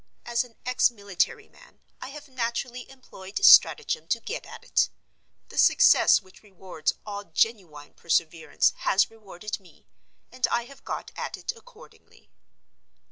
As an ex military man, I have naturally employed stratagem to get at it. The success which rewards all genuine perseverance has rewarded me—and I have got at it accordingly.